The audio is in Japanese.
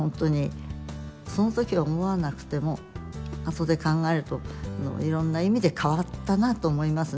その時は思わなくても後で考えるといろんな意味で変わったなと思いますね。